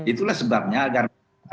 itulah sebabnya agar